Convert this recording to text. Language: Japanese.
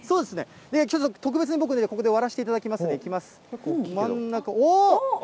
ちょっと特別に僕ね、ここで割らせていただきますんで、いきます。